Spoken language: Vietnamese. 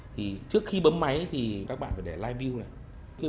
thì trước khi bấm máy thì các bạn phải để live vil này